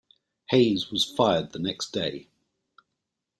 Hayes was fired the next day.